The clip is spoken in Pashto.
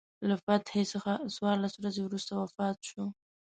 له فتحې څخه څوارلس ورځې وروسته وفات شو.